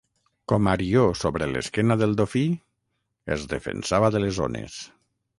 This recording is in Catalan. Com Arió sobre l’esquena del dofí, es defensava de les ones.